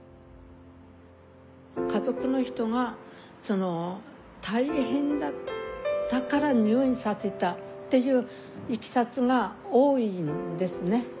家族の人が大変だったから入院させたっていういきさつが多いんですね。